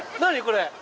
これ。